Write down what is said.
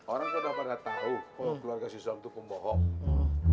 orang pada pada tau keluarga si suami tuh pembohong